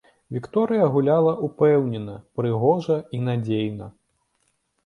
Вікторыя гуляла ўпэўнена, прыгожа і надзейна.